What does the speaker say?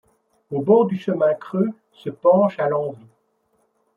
Au bord du chemin creux se penchent à l'envi